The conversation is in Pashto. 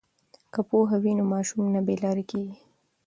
که پوهه وي نو ماشوم نه بې لارې کیږي.